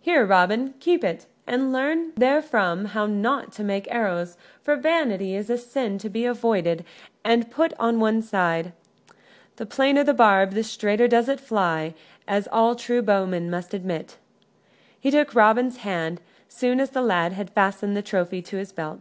"Here, Robin, keep it, and learn therefrom how not to make arrows, for vanity is a sin to be avoided and put on one side. The plainer the barb the straighter does it fly, as all true bowmen must admit." He took Robin's hand, soon as the lad had fastened the trophy in his belt.